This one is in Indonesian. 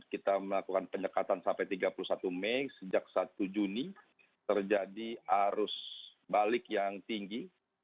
kita melakukan penyekatan sampai tiga puluh satu mei sejak satu juni terjadi arus balik yang tinggi